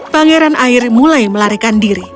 pangeran air mulai melarikan diri